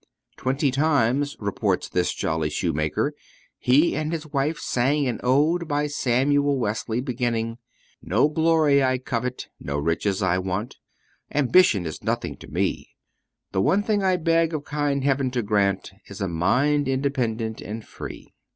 Twenty times, reports this jolly shoemaker, he and his wife sang an ode by Samuel Wesley, beginning: "No glory I covet, no riches I want, Ambition is nothing to me; The one thing I beg of kind Heaven to grant Is a mind independent and free."